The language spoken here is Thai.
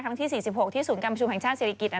ที่๔๖ที่ศูนย์การประชุมแห่งชาติศิริกิจ